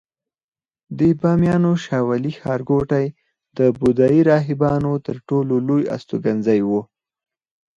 د بامیانو شاولې ښارګوټی د بودایي راهبانو تر ټولو لوی استوګنځای و